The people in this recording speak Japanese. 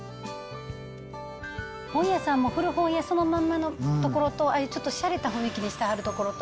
本屋さんも、古本屋そのまんまのところと、ちょっとしゃれた雰囲気にしてはるところと。